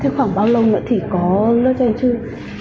thế khoảng bao lâu nữa thì có lớp cho em chưa